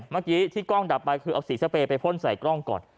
เมื่อกี้ที่กล้องดับไปคือเอาสีสเปรย์ไปพ่นใส่กล้องก่อน